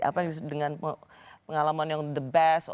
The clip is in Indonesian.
apa dengan pengalaman yang the best